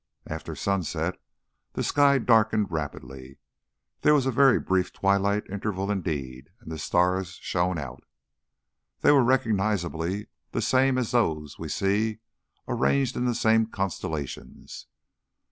After sunset, the sky darkened rapidly there was a very brief twilight interval indeed and the stars shone out. They were recognisably the same as those we see, arranged in the same constellations.